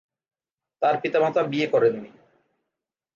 তার পিতামাতা বিয়ে করেননি।